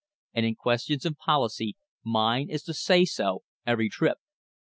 And in questions of policy mine is the say so every trip.